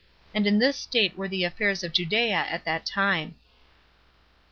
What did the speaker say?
And in this state were the affairs of Judea at that time.